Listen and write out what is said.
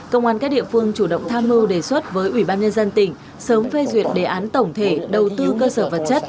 công an các địa phương chủ động tham mưu đề xuất với ủy ban nhân dân tỉnh sớm phê duyệt đề án tổng thể đầu tư cơ sở vật chất